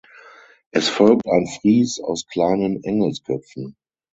Es folgt ein Fries aus kleinen Engelsköpfen.